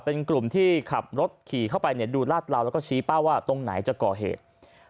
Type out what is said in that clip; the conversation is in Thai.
เป็นกลุ่มที่ขับรถขี่เข้าไปดูลาดเหลาแล้วก็ชี้เป้าว่าตรงไหนจะก่อเหตุ